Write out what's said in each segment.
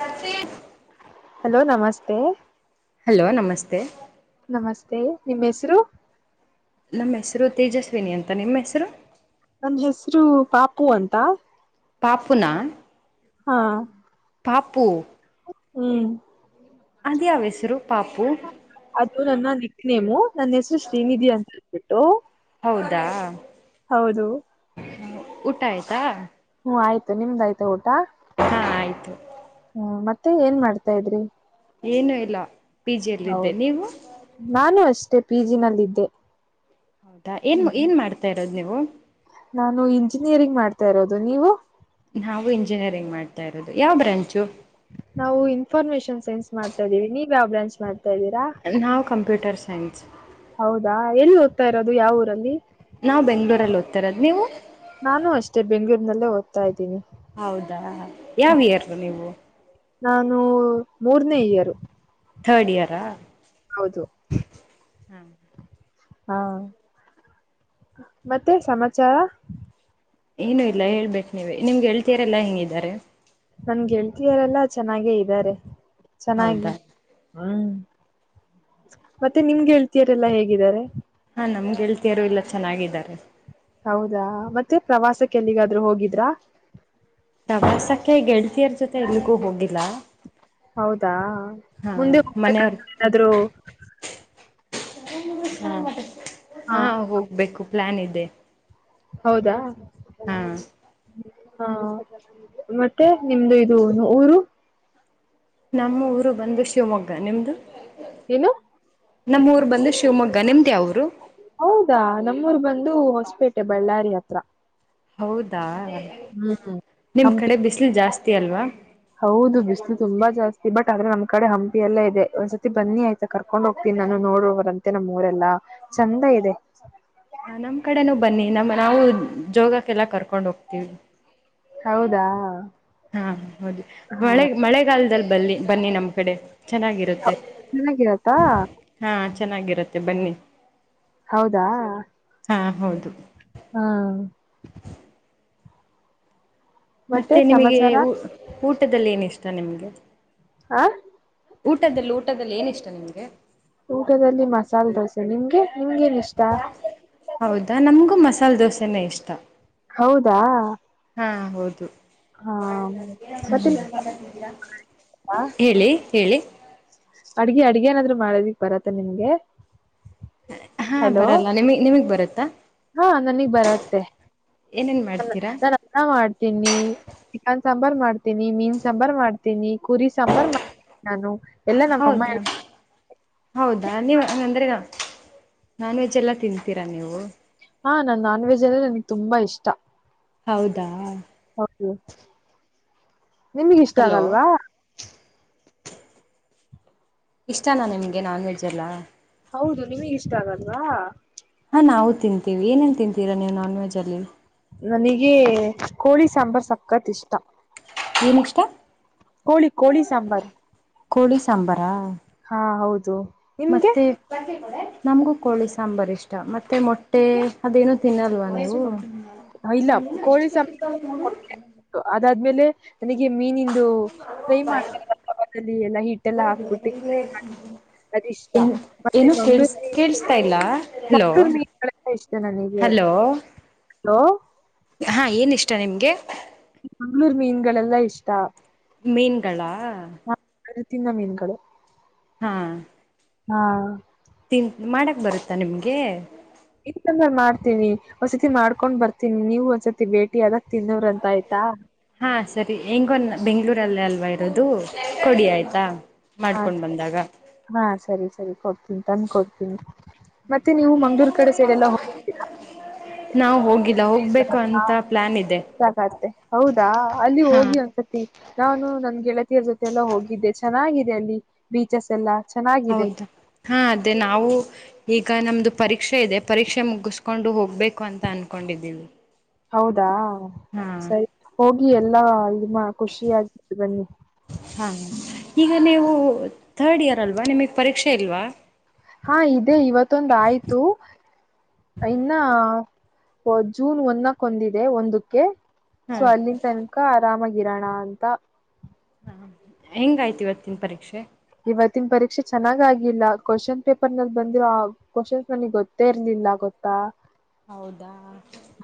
Sachin hello ನಮಸ್ತೆ hello ನಮಸ್ತೆ ನಮಸ್ತೆ ನಿಮ್ಮ್ ಹೆಸರು. ನಮ್ ಹೆಸರು ತೇಜಸ್ವಿನಿ ಅಂತ ನಿಮ್ ಹೆಸರು. ನನ್ ಹೆಸರು ಪಾಪು ಅಂತ ಪಾಪುನ ಹಾ ಪಾಪು ಹ್ಮ್ ಅದ್ಯಾವ್ ಹೆಸ್ರು ಪಾಪು ಅದು ನನ್ನ ನಿಕ್ನೇಮು ನನ್ ಹೆಸರು ಶ್ರೀನಿಧಿ ಅಂತೇಳ್ಬಿಟ್ಟು. ಹೌದಾ ಆ ಊಟ ಆಯ್ತಾ. ಹ್ಮ್ ಆಯ್ತು ನಿಮ್ದ್ ಆಯ್ತಾ ಊಟಾ ಹಾ ಆಯ್ತು. ಹ್ಮ ಮತ್ತೆ ಏನ್ ಮಾಡ್ತಾ ಇದ್ರಿ. ಏನು ಇಲ್ಲ ಪಿ ಜಿ ಯಲ್ಲಿದ್ದೆ ಹೌದು ನೀವು. ನಾನು ಅಷ್ಟೇ ಪಿ ಜಿ ನಲ್ಲಿದ್ದೆ ಹೌದಾ ಏನ್ ಹ್ಮ್ ಏನ್ ಮಾಡ್ತಾ ಇರೋದ್ ನೀವು. ನಾನು ಇಂಜಿನಿಯರಿಂಗ್ ಮಾಡ್ತಾ ಇರೋದು ನೀವು. ನಾವು ಇಂಜಿನಿಯರಿಂಗ್ ಮಾಡ್ತಾ ಇರೋದು ಯಾವ ಬ್ರಾಂಚು. ನಾವು ಇನ್ಫಾರ್ಮೇಶನ್ ಸೈನ್ಸ್ ಮಾಡ್ತಾ ಇದ್ದೀವಿ ನೀವ್ ಯಾವ್ ಬ್ರಾಂಚ್ ಮಾಡ್ತಾ ಇದ್ದೀರ. ನಾವ್ ಕಂಪ್ಯೂಟರ್ ಸೈನ್ಸ್. ಹೌದಾ ಎಲ್ ಓದ್ತಾ ಇರೋದು ಯಾವ್ ಊರಲ್ಲಿ. ನಾವ್ ಬೆಂಗ್ಳೂರಲ್ಲಿ ಓದ್ತಿರೋದ್ ನೀವು. ನಾನು ಅಷ್ಟೇ ಬೆಂಳೂರಿನಲ್ಲೇ ಓದ್ತಾ ಇದ್ದೀನಿ. ಹೌದಾ ಯಾವ್ ಇಯರು ನೀವು. ನಾನು ಮೂರ್ನೇ ಇಯರು ಥರ್ಡ್ ಇಯರಾ ಹೌದು ಹ್ಮ್ ಹಾ ಮತ್ತೆ ಸಮಾಚಾರ. ಏನು ಇಲ್ಲ ಹೇಳ್ಬೇಕ್ ನೀವೆ ನಿಮ್ಗೆ ಗೆಳ್ತೀಯರೆಲ್ಲಾ ಹೆಗಿದಾರೆ. ನನ್ ಗೆಳತಿಯರೆಲ್ಲಾ ಚೆನ್ನಾಗೇ ಇದ್ದಾರೆ ಚೆನ್ನಾಗಿ ಹೌದಾ ಹ್ಮ್ ಮತ್ತೆ ನಿಮ್ಗೆ ಗೆಳ್ತಿಯರೆಲ್ಲಾ ಹೇಗಿದ್ದಾರೆ. ಹಾ ನನ್ನ ಗೆಳತಿಯರು ಎಲ್ಲಾ ಚೆನ್ನಾಗಿದ್ದಾರೆ. ಹೌದಾ ಮತ್ತೆ ಪ್ರವಾಸಕ್ಕೆ ಎಲ್ಲಿಗಾದ್ರು ಹೋಗಿದ್ರಾ. ಪ್ರವಾಸಕ್ಕೆ ಗೆಳತಿಯರ್ ಜೊತೆ ಎಲ್ಲಿಗೂ ಹೋಗಿಲ್ಲಾ. ಹೌದಾ ಮುಂದೆ ಮನೆಯವ್ರ ಹೋಗ್ಬೇಕಂತ ಏನಾದ್ರು. ಹಾ ಹ ಹಾ ಹೋಗ್ಬೇಕು ಪ್ಲಾನ್ ಇದೆ. ಹೌದಾ. ಹಾ ಹಾ ಮತ್ತೆ ನಿಮ್ದು ಇದು ಊರು. ನಮ್ಮ ಊರು ಬಂದು ಶಿವಮೊಗ್ಗ ನಿಮ್ಮದು. ಏನು ನಮ್ಮ ಊರು ಬಂದು ಶಿವಮೊಗ್ಗ ನಿಮ್ಮದು ಯಾವ ಊರು. ಹೌದಾ ನಮ್ಮೂರು ಬಂದು ಹೊಸಪೇಟೆ ಬಳ್ಳಾರಿ ಹತ್ರ. ಹೌದಾ ಹ್ಮ್ ನಿಮ್ಮ ಹಂಪಿ ಕಡೆ ಬಿಸಿಲು ಜಾಸ್ತಿ ಅಲ್ವಾ. ಹೌದು ಬಿಸ್ಲು ತುಂಬಾ ಜಾಸ್ತಿ ಬಟ್ ಆದ್ರೆ ನಮ್ ಕಡೆ ಹಂಪಿ ಎಲ್ಲ ಇದೆ ಒಂದ್ಸರ್ತಿ ಬನ್ನಿ ಆಯ್ತು. ಕರ್ಕೊಂಡ್ ಹೋಗ್ತೀನಿ ನಾನು ನೋಡುವವರಂತೆ ನಮ್ಮ್ ಊರೆಲ್ಲಾ ಚಂದ ಇದೆ. ಹ ನಮ್ಮ ಕಡೆನೂ ಬನ್ನಿ ನಮ್ಮ್ ನಾವು ಜೋಗಕ್ಕೆಲ್ಲಾ ಕರ್ಕೊಂಡ್ ಹೋಗ್ತೀವಿ. ಹೌದಾ ಹಾ ಹೌದು ಹ ಮಳೆ ಮಳೆಗಾಲದಲ್ಲಿ ಬನ್ನಿ ಬನ್ನಿ ನಮ್ಮ ಕಡೆ. ಚೆನ್ನಾಗಿರುತ್ತೆ ಚೆನ್ನಾಗಿರತ್ತಾ ಹಾ ಚೆನ್ನಾಗಿರುತ್ತೆ ಬನ್ನಿ. ಹೌದಾ ಹಾ ಹೌದು ಹಾ ಮತ್ತೆ ನಿಮಗೆ ಊ ಊಟದಲ್ಲಿ ಏನ ಇಷ್ಟ ನಿಮ್ಗೆ. ಆ ಊಟದಲ್ಲಿ ಊಟದಲ್ಲಿ ಏನ ಇಷ್ಟ ನಿಮ್ಗೆ. ಊಟದಲ್ಲಿ ಮಸಾಲೆ ದೋಸೆ ನಿಮಗೆ ನಿಮಗ ಏನ್ ಇಷ್ಟ. ಹೌದಾ ನಮ್ಗೂ ಮಸಾಲೆ ದೋಸೆನೇ ಇಸ್ಟಾ. ಹೌದಾ ಹಾ ಹೌದು ಹಾ ಆ ಹೇಳಿ ಹೇಳಿ. ಅಡ್ಗೆ ಅಡ್ಗೆ ನಾದ್ರು ಮಾಡೋದಿಕ್ ಬರತ್ತ ನಿಮ್ಗೆ. ಹಾ ಹಲೋ ಬರಲ್ಲ. ನಿಮ ನಿಮಗ್ ಬರುತ್ತಾ. ಹಾ ನನಗ್ ಏನೇನ್ ಮಾಡ್ತೀರಾ. ನಾನು ಅನ್ನ ಮಾಡ್ತೀನಿ ಚಿಕ್ಕನ್ ಸಾಂಬಾರ್ ಮಾಡ್ತೀನಿ ಮೀನ್ ಸಾಂಬಾರ ಮಾಡ್ತೀನಿ. ತಿನಿ ಕುರಿ ಸಾಂಬಾರ ಮಾಡ್ತಿನಿ ನಾನು ಎಲ್ಲಾ ನಮ್ಮ ಅಮ್ಮ. ಹೌದಾ ಹೌದಾ ನೀವು ಹಂಗಂದ್ರೆ ನಾನ್ ವೆಜ್ ಎಲ್ಲ ತಿಂತೀರಾ ನೀವು. ಹಾ ನಾನ್ ನಾನ್ ವೆಜ್ ಎಲ್ಲಾ ನನ್ಗೆ ತುಂಬ ಇಷ್ಟ. ಹೌದಾ ಓ ಕೆ. ನಿಮಗ ಇಷ್ಟ ಹಲೋ ಆಗಲ್ವಾ. ಇಷ್ಟನಾ ನಿಮಗೆ ನಾನ್ ವೆಜ್ ಎಲ್ಲಾ. ಹೌದು ನಿಮಗ ಇಷ್ಟಾ ಆಗಲ್ವಾ. ಹಾ ನಾವು ತಿಂತೀವಿ. ಏನೇನ್ ತಿಂತೀರಾ ನೀವು ನಾನ್ ವೆಜ್ ಅಲ್ಲಿ ನನಗೆ ಕೋಳಿ ಸಾಂಬಾರ್ ಸಕತ್ ಇಷ್ಟ. ಏನಷ್ಟಾ ಕೋಳಿ ಕೋಳಿ ಸಾಂಬಾರ್ ಕೋಳಿ ಸಾಂಬಾರ. ಹಾ ಹೌದು ನಿಮ್ಗೆ. ನಮಗೂ ಕೋಳಿ ಸಾಂಬಾರ ಇಷ್ಟ ಮತ್ತೆ ಮೊಟ್ಟೆ ಅದೇನು ತಿನ್ನಲ್ವಾ ನೀವು. ಇಲ್ಲ ನಮ್ಮ ಎಷ್ಟು ಕೋಳಿ ಸಾಂಬಾರ್ ಕೇಳತಾವ್ರೆ ನೋಡು ಅದಾದ್ಮೇಲೆ ನನಿಗೆ ಮೀನಂದು ಪ್ರೈ ಮಾಡ್ತರಲ್ಲ ಗೊತ್ತಾ ಅದ್ರಲ್ಕ್ ಎಲ್ಲ ಹಿಟ್ಟೆಲ್ಲ ಹಾಕ್ಬಿಟ್ಟಿ. [inaudible] ಅದಿಷ್ಟ ಏನ್ ಮತ್ತೆ ಏನು ಕೇಳಸ್ ಮಂಗಳೂರು ಮೀನ್ ಕೇಳಿಸ್ತಾ ಇಲ್ಲ [inaudible] ಹಲೋ ಮಂಗಳೂರು ಮೀನ್ ಇಷ್ಟು ನನಗೆ ಹಲೋ ಹಲೋ ಹಾ ಏನ ಇಷ್ಟ ನಿಮ್ಗೆ. ಮಂಗ್ಗಳೂರು ಮೀನ್ಗಳೆಲ್ಲ ಇಷ್ಟ ಮೀನ್ಗಳಾ ಹ ಅರುತಿನ ಮೀನುಗಳು ಹಾ ಹಾ ತಿನ್ ಮಾಡಕ್ಕೆ ಬರುತ್ತಾ ನಿಮಗೆ ಇಂದ ಮಾಡ್ತೀನಿ ಒಂದ್ಸತಿ ಮಾಡ್ಕೊಂಡ್ ಬರ್ತೀನಿ ನೀವು ಒಂದ್ಸರ್ತಿ ಭೇಟಿ ಅದಕ್ ತಿನ್ನೋ್ರಂತ ಆಯ್ತಾ ಹಾ ಸರಿ ಹೆಂಗೊಂದು ಬೆಂಗ್ಗಳೂರಲ್ಲಲ್ಲೆ ಅಲ್ವಾ ಇರೋದು ಕೊಡಿ ಆಯ್ತಾ. ಹಾ ಮಾಡ್ಕೊಂಡು ಸರಿ ಬಂದಾಗಾ. ಹಾ ಸರಿ ಸರಿ ಕೊಡ್ತೀನಿ ತಂದ ಕೊಡ್ತೀನಿ ಮತ್ತೆ ನೀವು ಮಂ. ನಾ ಹೋಗಿದ್ದ ಹೌದಾ ಅಲ್ಲಿ ಹಾ ಹೋಗಿ ಒಂದ್ಸತಿ ನಾನು ನನ್ ಗೆಳತಿಯರ ಜೊತೆಯಲ್ಲ ಹೋಗಿದ್ದೆ ಚೆನ್ನಾಗಿದೆ ಅಲ್ಲಿ ಬೀಚಸ್ ಎಲ್ಲಾ. ಹೌದು ಹಾ ಅದೇ ನಾವು ಈಗ ನಮ್ದು ಪರೀಕ್ಷೆ ಇದೆ ಪರೀಕ್ಷೆ ಮುಗಿಸ್ಕೊಂಡು ಹೋಗ್ಬೇಕು ಅಂತ ಅನ್ಕೊಂಡಿದ್ದೀವಿ ಹೌದಾ ಹಾ ಸರಿ ಹೋಗಿ ಎಲ್ಲಾ ನಿಮ್ಮ ಖುಷಿ ಆಗ ಬನ್ನಿ ಹಾ ಈಗ ನೀವು ಥರ್ಡ್ ಇಯರ್ ಅಲ್ವಾ ನಿಮಗ್ ಪರೀಕ್ಷೆ ಇಲ್ವಾ ಹಾ ಇದದೆ ಇವತ್ತೊಂದ್ ಆಯ್ತು ಇನ್ನ ಜೂನ್ ಒಂದಕ್ ಹೊಂದಿದೆ ಒಂದಕ್ಕೆ ಹಾ ಸೊ ಅಲ್ಲಿಂದ ತನಕ ಆರಾಮಾಗಿರೋಣ ಅಂತ ಹಾ ಹೆಂಗಯ್ತಿ ಇವತ್ತಿನ ಪರೀಕ್ಷೆ ಇವತ್ತಿನ ಪರೀಕ್ಷೆ ಚೆನ್ನಾಗ್ ಆಗಿಲ್ಲ ಕ್ವಶನ್ ಪೇಪರ್ ನಲ್ಲಿ ಬಂದ್ರು ಕಶನ್ಸ್ ನನಗ್ ಗೊತ್ತೇ ಇರ್ಲಿಲ್ಲ ಗೊತ್ತಾ ಹೌದಾ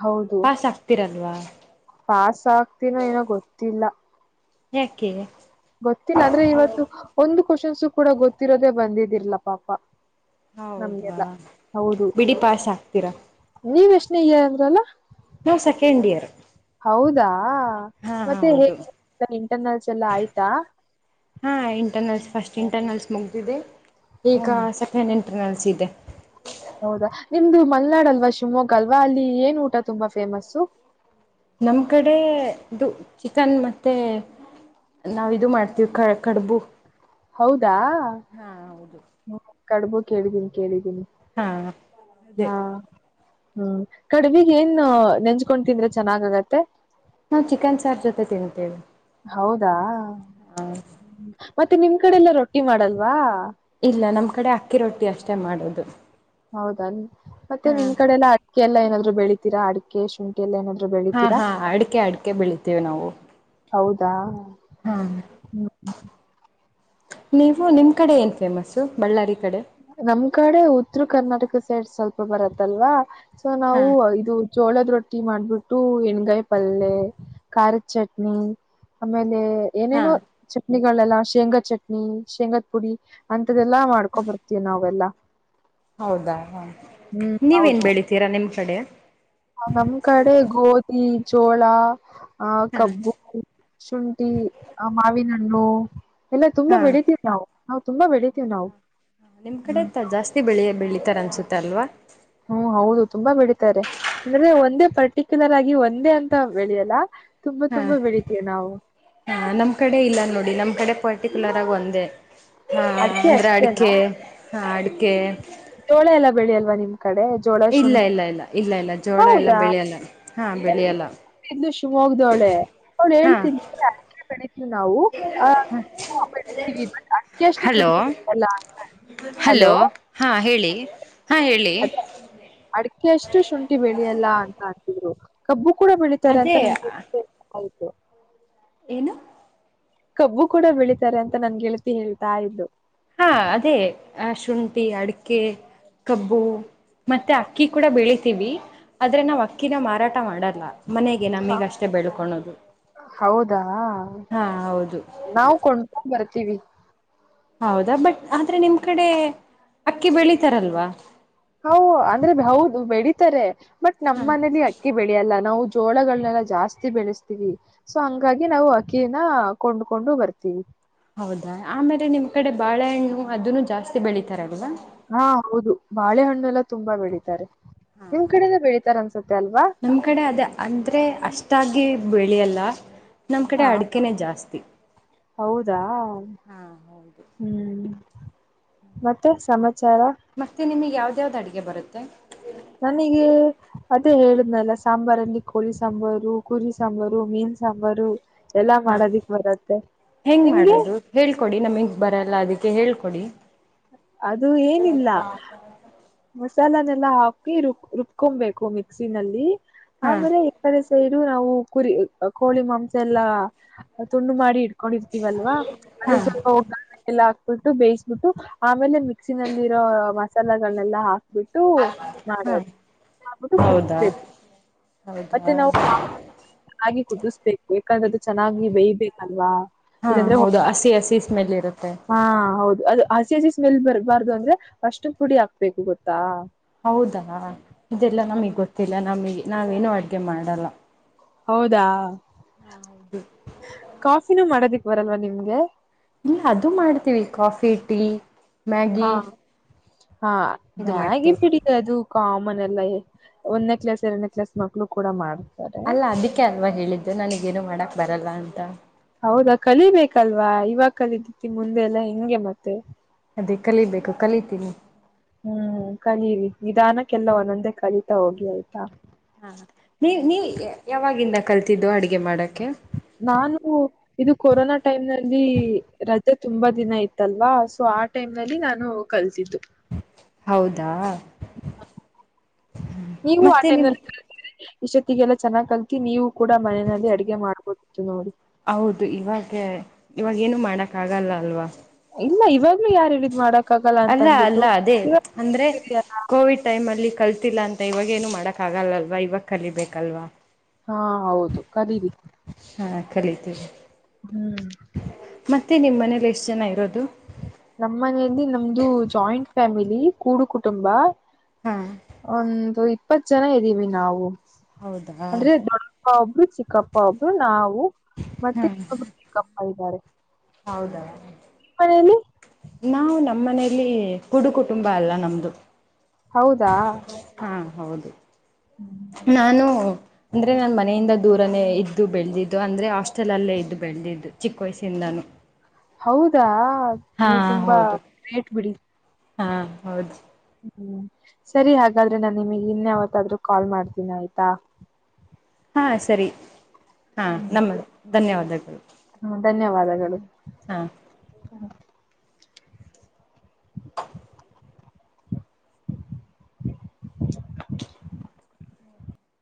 ಹೌದು ಪಾಸ್ ಆಗ್ತಿರಲ್ವಾ ಪಾಸ್ ಆಗ್ತನೋ ಏನೋ ಗೊತ್ತಿಲ್ಲ ಯಕ್ಕ ಗೊತ್ತಿಲ್ಲ ಅಂದ್ರೆ ಇವತ್ತು ಒಂದು ಕ್ವಶನ್ಸ ಕೂಡ ಗೊತ್ತಿರೋದೇ ಬಂದಿದಿಲ್ಲಲ ಪಾಪ ಹೌದಾ ನಮ್ಗೆಲ್ಲ ಹೌದು ಬಿಡಿ ಪಾಸ್ ಆಕ್ತೀರಾ ನೀವ್ ಎಷ್ಟನೇ ಅಂದ್ರಲ್ಲ ನಾವು ಸೆಕೆಂಡ್ ಇಯರ್ ಹೌದಾ ಹಾ ಮತ್ತೆ ಹೌದು ಇಂಟರ್ನಲ್ಸ್ ಎಲ್ಲ ಆಯ್ತಾ ಹಾ ಇಂಟರ್ನಲ್ಸ್ ಫಸ್ಟ್ ಇಂಟರ್ನಲ್ಸ್ ಮುಗ್ದಿದೆ ಈಗ ಹ್ಮ್ ಸೆಕೆಂಡ್ ಇಂಟರ್ನಲ್ ಸೀದೆ ಹೌದಾ ನಿಮ್ದು ಮಲ್ನಾಡ್ ಅಲ್ವಾ ಶಿವಮೊಗ್ಗ ಅಲ್ವಾ ಅಲ್ಲಿ ಏನ್ ಊಟ ತುಂಬಾ ಫೇಮಸ್ಸು ನಮ್ಮ ಕಡೆ ಇದು ಚಿಕನ್ ಮತೆ ನಾವು ಇದು ಮಾಡ್ತೀವಿ ಕ ಕಡುಬು ಹೌದಾ ಹಾ ಹೌದು ಕಡುಬು ಕೇಳಿದೀನಿ ಕೇಳಿದ್ದೀನಿ ಹಾ ಅದೇ ಹಾ ಹ್ಮ್ ಕಡುವಿಗ್ ಏನ್ ನೆಂಜಕೊಂಡ್ ತಿಂದ್ರೆ ಚೆನ್ನಾಗ್ ಆಗತ್ತೆ ನಾವು ಚಿಕನ್ ಸಾರ್ ಜೊತೆ ತಿಂತೇವೆ ಹೌದಾ ಹಾ ಮತ್ತೆ ನಿಮ್ ಕಡೆ ಎಲ್ಲ ರೊಟ್ಟಿ ಮಾಡಲ್ವಾ ಇಲ್ಲ ನಮ್ಮ್ ಕಡೆ ಅಕ್ಕಿ ರೊಟ್ಟಿ ಅಷ್ಟೇ ಮಾಡೋದು ಹೌದ ಮತ್ತೆ ಹಾ ನಿಮ್ಡೆ ಎಲ್ಲ ಅಡಿಕೆ ಎಲ್ಲಾ ಏನಾದ್ರು ಬೆಳಿತೀರಾ ಅಡಿಕೆ ಶುಂಠಿ ಎಲ್ಲಾ ಏನಾದ್ ಬೆಳ ಹಾ ಹಾ ಅಡಿಕೆ ಅಡಿಕೆ ಬೆಳಿತೇವಿ ನಾವು ಹೌದಾ ಹಾ ಹ್ಮ್ ನೀವು ನಿಮ್ ಕಡೆ ಏನ್ ಫೇಮಸ್ ಬಳ್ಳಾರಿ ಕಡೆ ನಮ್ ಕಡೆ ಉತ್ತರ ಕರ್ನಾಟಕ ಸೈಡ್ ಸ್ವಲ್ಪ ಬರತ್ತಲ್ವಾ ಸೊ ಹಾ ನಾವು ಇದು ಜೋಳದ ರೊಟ್ಟಿ ಮಾಡ್ಬಿಟ್ಟು ಎಣಗಾಯಿ ಪಲ್ಯ ಖಾರದ ಚಟ್ನಿ ಆಮೇಲೆ ಹಾ ಏನೇನು ಚಟ್ನಿಗಳೆಲ್ಲ ಶೇಂಗಾ ಚಟ್ನಿ ಶೇಂಗಾದ ಪುಡಿ ಅಂತದೆಲ್ಲಾ ಮಾಡ್ಕೊಬರ್ತ ಅವಿ ನಾವೆಲ್ಲ ಹೌದಾ ಹ ಹ್ಮ್ ನೀವೇನ್ ಹೌದು ಬೆಳಿತೀರಾ ನಿಮ್ ಕಡೆ ನಮ್ ಕಡೆ ಗೋಧಿ ಚೋಳ ಆ ಹಾ ಕಬ್ಬು ಶುಂಠಿ ಆ ಮಾವಿನಹಣ್ಣು ಎಲ್ಲ ತುಂಬಾ ಹಾ ಬೆಳಿತೀವಿ ನಾವು ನ ತುಂಬಾ ಬೆಳಿತೀವಿ ನಾವು ಹ್ಮ ಬೆಳೆಯ ಬೆಳಿತಾರೆ ಅನ್ಸುತ್ತೆ ಅಲ್ವಾ ಹ್ಮ್ ಹೌದು ತುಂಬಾ ಬೆಳಿತಾರೆ ಅಂದ್ರೆ ಒಂದೇ ಪರ್ಟಿಕ್ಯುಲರ್ ಆಗಿ ಒಂದೇ ಅಂತ ಬೆಳೆಯಲ್ಲ ತುಂಬಾ ಹಾ ತುಂಬಾ ಬೆಳೀತೀವಿ ನಾವು ಹಾ ನಮ್ ಕಡೆ ಇಲ್ಲ ನೋಡಿ ನಮ್ ಕಡೆ ಪರ್ಟಿಕ್ಯುಲರ್ ಆಗಿ ಒಂದೇ ಹಾ ಅಡ್ಕೆ ಅಂದ್ರೆ ಅಷ್ಟೇನಾ ಅಡಿಕೆ ಹ ಅಡಕೆ ಜೋಳೆ ಎಲ್ಲ ಬೆಳಿ ಅಲ್ವ ನಿಮ್ ಕಡೆ ಜೋಳ ಇಲ್ಲ ಶುಂಠಿ ಇಲ್ಲ ಇಲ್ಲ ಇಲ್ಲ ಇಲ್ಲ ಜೋಳ ಎಲ್ಲ ಹೌದಾ ಬೆಳೆಯಲ್ಲ ಹಾ ಬೆಳೆಯಲ್ಲ ಇದ್ಲು ಶಿವಮೊಗ್ವಳೆ ಅವ್ಳು ಹಾ ಹೇಳ್ತನ್ ಅದಕ್ಕೆ ಬೆಡಿತವಿ ನಾವು ಆ ಟ್ ಅಷ್ಟು ಹಲೋ ಶುಂಠಿ ಗತ್ತಲ್ಲ ಅ ಹಲೋ [unintelligible] ಹಾ ಹೇಳಿ ಹಾ ಹೇಳಿ ಅಡಕೆ ಅಷ್ಟು ಶುಂಠಿ ಬೆಳಿಯಲ್ಲ ಅಂತ ಅಂತಿದ್ರು ಕಬ್ಬು ಕೂಡ ಬೆಳಿತಾರೆ ಅದೇ ಅಂತ ನನ್ ಆಯತು ಏನು ಕಬ್ಬು ಕೂಡ ಬೆಳೀತಾರೆ ಅಂತ ನನ್ ಗೆಳತಿ ಹೇಳ್ತಾ ಇದ್ದು ಹಾ ಅದೇ ಆ ಶುಂಠಿ ಅಡಕೆ ಕಬ್ಬು ಮತ್ತೆ ಅಕ್ಕಿ ಕೂಡ ಬೆಳಿತೀವಿ ಆದ್ರೆ ನಾವು ಅಕ್ಕಿನ ಮಾರಾಟ ಮಾಡಲ್ಲ ಮನೆಗೆ ಹಾ ನಮಗ ಅಷ್ಟೇ ಬೆಳ್ಕೊಳೋದು ಹೌದಾ ಹಾ ಹೌದು ನಾವು ಕೊಂಡ್ಕೊಂಡ್ ಬರ್ತೀವಿ ಹೌದಾ ಬಟ್ ಆದ್ರೆ ನಿಮ್ ಕಡೆ ಅಕ್ಕಿ ಬೆಳಿತಾರಲ್ವಾ ಹೌ ಅಂದ್ರೆ ಹೌದು ಬೆಡೀತಾರೆ ಬಟ್ ನಮ್ಮ್ ಹಾ ಮನೇಲಿ ಅಕ್ಕಿ ಬೆಳೆಯಲ್ಲ ನಾವು ಜೋಳಗಳನ್ನನೆಲ್ಲ ಜಾಸ್ತಿ ಬೆಳೆಸ್ತೀವಿ ಸೊ ಹಂಗಾಗಿ ನಾವು ಅಕ್ಕ ಅಕ್ಕನ ಕೊಂಡ್ಕೊಂಡು ಬರ್ತೀವಿ ಹೌದಾ ಆಮೇಲೆ ನಿಮ್ ಕಡೆ ಬಾಳೆಹಣ್ಣು ಅದನ್ನು ಜಾಸ್ತಿ ಬೆಳಿತಾರಲ್ವಾ ಹಾ ಹೌದು ಬಾಳೆಹಣ್ಣುಲ್ಲ ತುಂಬಾ ಬೆಳಿತಾರೆ ನಿಮ್ ಕಡೆಯಿಂದ ಬೆಳಿತಾರ ಅನ್ಸತ್ತೆ ಅಲ್ವಾ ನಮ್ಮ ಕಡೆ ಅದ ಅಂದರೆ ಅಷ್ಟಾಗಿ ಬೆಳೆಯಲ್ಲ ನಮ್ಮ ಕಡೆ ಹಾ ಅಡಿಕೆನ ಜಾಸ್ತಿ ಹೌದಾ ಹಾ ಹೌದು ಹ್ಮ್ ಮತ್ತೆ ಸಮಾಚಾರ ಮತ್ತೆ ನಿಮಗೆ ಯಾವ್ದ ಯಾವ್ದು ಅಡುಗೆ ಬರುತ್ತೆ ನನಗೆ ಅದೇ ಹೇಳುದ್ನಲ್ಲ ಸಾಂಬಾರಲ್ಲಿ ಕೋಳಿ ಸಾಂಬಾರು ಕುರಿ ಸಾಂಬಾರು ಮೀನ್ ಸಾಂಬಾರು ಎಲ್ಲಾ ಹಾ ಮಾಡದಿಕ್ ಬರತ್ತೆ ಹೆಂಗ್ ನಿಮ್ಗೆ ಮಾಡೋದು ಹೇಳ್ಕೊಡಿ ನಮಗ್ ಬರಲ್ಲ ಅದಕ್ಕೆ ಹೇಳ್ಕೊಡಿ ಅದು ಏನಿಲ್ಲ ಮಸಾಲಾನೆಲ್ಲಾ ಹಾಕಿ ರು ರುಬ್ಕೊಬೇಕು ಮಿಕ್ಸಿನಲ್ಲಿ ಹಾ ಆಮೇಲೆ ಕಡೆ ಸೈಡು ನಾವು ಕುರಿ ಕೋಳಿ ಮಾಂಸ ಎಲ್ಲಾ ತುಂಡು ಮಾಡಿ ಇಡ್ವಿ ಹಾಕೊಂಡಿರ್ತೀವಲ್ವಾ ಅದು ಹಾ ಸ್ವಲ್ಪ ಒಗ್ಗ ಎಲ್ಲಾ ಹಾಕ್ಬಿಟ್ಟು ಬೇಯಿಸ್ಬಿಟ್ಟು ಆಮೇಲೆ ಮಿಕ್ಸಿನಲ್ಲಿ ಇರೋ ಮಸಾಲಗಳನ್ನೆಲ್ಲಾ ಹಾಕ ಬಿಟ್ಟು ಹಾ ಮಾಡದು ಮಾಡಬಿಟ್ಟು ಹೌದಾ ಕುತ್ಬೇಕು ಹೌದಾ ಹಾಗೆಕುದಿಸ್ಬೇಕು ಯಾಕಂದ್ರೆ ಅದು ಚನ್ನಾಗಿ ಬೇಯ್ಬೇಕು ಅಲ್ವಾ ಹಾ ಹೌದು ಹಸಿ ಹಸಿ ಸ್ಮೆಲ್ ಇರುತ್ತೆ ಹಾ ಹೌದು ಅದು ಹಸಿ ಹಸಿ ಸ್ಮೆಲ್ ಬರ್ಬಾರ್ದು ಅಂದ್ರೆ ಅಸ್ನ್ ಪುಡಿ ಹಾಕ್ಬೇಕು ಗೊತ್ತಾ ಹೌದಾ ಇದೆಲ್ಲಾ ನಮಗ್ ಗೊತ್ತಿಲ್ಲ ನಮಗೆ ನಾವೇನು ಅಡ್ಗೆ ಮಾಡಲ್ಲ ಹೌದಾ ಹೌದು ಕಾಫಿನೂ ಮಾಡೋದಿಕ್ ಬರಲ್ವಾ ನಿಮ್ಗೆ ಇಲ್ಲಿ ಅದು ಮಾಡ್ತೀವಿ ಕಾಫಿ ಟೀ ಮ್ಯಾಗಿ ಹಾ ಹಾ ಇದು ಮಗ ಮಾಡ್ತೇವಿ ಪೀಡಿದ ತು ಕಾಮನ್ ಎಲ್ಲ ಒಂದ್ ನೆಕ್ಲಾಸ್ ಎರಡು ನೆಕ್ಲಾಸ್ ಮಕ್ಳು ಕೂಡ ಮಾಡ್ತಾರೆ ಅಲ್ಲ ಅದಕ್ಕೆ ಅಲ್ವಾ ಹೇಳಿದ್ದೆ ನನಗಏನು ಮಾಡಕ್ ಬರಲ್ಲ ಅಂತ ಹೌದಾ ಕಲಿಬೇಕಲ್ವಾ ಇವಾಗ ಕಲಿದತಿ ಮುಂದೆ ಎಲ್ಲಾ ಹೆಂಗೆ ಮತ್ತೆ ಅದೇ ಕಲಿಬೇಕು ಕಲಿತೀನಿ ಹ್ಮ್ ಕಲೀರಿ ನಿಧಾನಕ್ಕೆಲ್ಲ ಒಂದೊಂದೇ ಕಲೀತಾ ಹೋಗಿ ಆಯ್ತಾ ಹಾ ನೀ ನೀ ಯಾವಾಗಿಂದ ಕಲ್ತಿದ್ದು ಅಡಗೆ ಮಾಡಕ್ಕೆ ನಾನು ಇದು ಕೊರೋನಾ ಟೈಮ್ ನಲ್ಲಿ ರಜೆ ತುಂಬಾ ದಿನ ಇತ್ತಲ್ವಾ ಸೊ ಆ ಟೈಮ್ ನಲ್ಲಿ ನಾನು ಕಲ್ತಿದ್ದು ಹೌದಾ ನೀವು ಆ ಮತ್ತೆ ಟೈಮ್ ನಿಮ್ ನಲ್ಲಿ ಕಲ್ತಿದ್ರೆ ಇಷ್ಟೊತ್ತಿಗೆಲ್ಲ ಚೆನ್ನಾಗ್ ಕಲ್ತಿ ನೀವು ಕೂಡ ಮನೆಯಲ್ಲಿ ಅಡಗೆ ಮಾಡ್ಬೋದು ಚೆನ್ನಾಡಿ ಹೌದು ಇವಾಗೇ ಇವಾಗ ಏನು ಮಾಡಕ್ ಆಗಲ್ಲ ಅಲ್ವಾ ಇಲ್ಲ ಇವಾಗ್ಲುೂ ಯಾರ ಹೇಳಿದ್ ಮಾಡಕ್ ಆಗಲ್ಲ ಅಂತ ಅಲ್ಲ ಅಂದ್ಬಿಟ್ಟು ಅಲ್ಲ ಅದೇ ಅಂದ್ರೆ ಇವಾಗ ಕೋವಿಡ್ ಟೈಮ್ ಅಲ್ಲಿ ಕಲ್ತಿಲ್ಲಾ ಅಂತ ಇವಾಗೇನು ಮಾಡಕ್ ಆಗಲ್ಲಲ್ವಾ ಇವಾಗ ಕಲಿಬೇಕಲ್ವಾ. ಹಾ ಹೌದು ಕಲೀರೀ ಹಾ ಕಲಿತೀವಿ ಹ್ಮ್ ಮತ್ತೆ ನಿಮ್ಮ ಮನೇಲಿ ಎಷ್ಟು ಜನ ಇರೋದು. ನಮ್ಮ್ ಮನೆಯಲ್ಲಿ ನಮ್ದು ಜಾಯಿಂಟ್ ಫ್ಯಾಮಿಲಿ ಕೂಡು ಕುಟುಂಬ. ಹ್ಮ್ ಒಂದು ಇಪ್ಪತ್ ಜನ ಇದ್ದೀವಿ ನಾವು ಹೌದಾ ಅಂದ್ರೆ ದೋಡ್ಡ ಆ ಒಬ್ರು ಚಿಕ್ಕಪ್ಪಾಬ್ರು ನಾವು ಹಾ ಮತ್ತೆ ಇನ್ನೊಬ್ರು ಚಿಕ್ಕಪ್ಪ ಇದ್ದಾರೆ. ಹೌದಾ ಮಣನು ನಾವು ನಮ್ಮ ಮನೇಲಿ ಕುಡು ಕುಟುಂಬ ಅಲ್ಲ ನಮ್ದು ಹೌದಾ ಹಾ ಹೌದು. ಹ್ಮ್ ನಾನು ಅಂದ್ರೆ ನಾನ್ ಮನೆಯಿಂದ ದೂರನೇ ಇದ್ದು ಬೆಳೆದಿದ್ದು ಅಂದ್ರೆ ಹಾಸ್ಟೆಲ್ ಅಲ್ಲೇ ಇದ್ದು ಬೆಳೆದಿದ್ದು. ಚಿಕ್ಕ ವಯಸಿಂದಾನು ಹೌದಾ ನೀವು ತುಂಬಾ ಹೌದು ಗ್ರೇಟ್ ಬಿಡಿ. ಹಾ ಹೌದು ಹ್ಮ್ ಸರಿ ಹಾಗಾದ್ರೆ ನಾನ್ ನಿಮಗ್ ಇನ್ ಯಾವತ್ತಾದ್ರು ಕಾಲ್ ಮಾಡ್ತೀನಿ ಆಯ್ತಾ. ಹಾ ಸರಿ ಹಾ ನಮ್ ಧನ್ಯವಾದಗಳು. ಹ್ಮ ಧನ್ಯವಾದಗಳು. ಹಾ [inaudible]